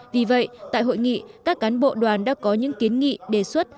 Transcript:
vì vậy tại hội nghị các cán bộ đoàn đã có những kiến nghị đề xuất